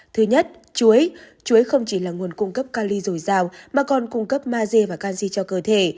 thứ nhất chuối chuối không chỉ là nguồn cung cấp cali dồi dào mà còn cung cấp maze và canxi cho cơ thể